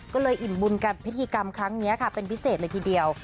ก็เลยอิ่มบุญกับพิธีกรรมครั้งนี้ค่ะเป็นพิเศษเลยทีเดียว